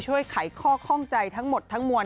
ไขข้อข้องใจทั้งหมดทั้งมวล